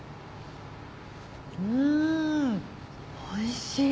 うんおいしい。